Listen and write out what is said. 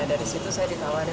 dari situ saya ditawari